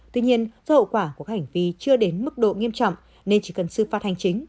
tuy nhiên do hậu quả của các hành vi chưa đến mức độ nghiêm trọng nên chỉ cần xử phạt hành chính